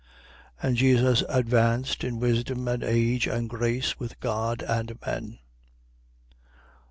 2:52. And Jesus advanced in wisdom and age and grace with God and men.